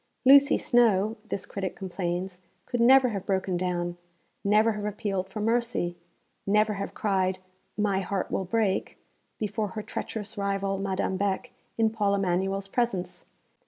_ 'Lucy Snowe,' this critic complains, 'could never have broken down, never have appealed for mercy, never have cried "My heart will break" before her treacherous rival Madame Beck in Paul Emanuel's presence!